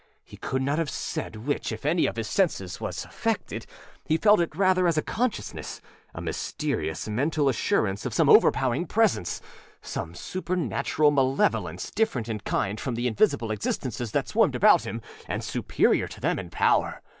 He could not have said which, if any, of his senses was affected; he felt it rather as a consciousnessâa mysterious mental assurance of some overpowering presenceâsome supernatural malevolence different in kind from the invisible existences that swarmed about him, and superior to them in power.